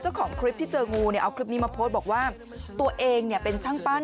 เจ้าของคลิปที่เจองูเนี่ยเอาคลิปนี้มาโพสต์บอกว่าตัวเองเนี่ยเป็นช่างปั้น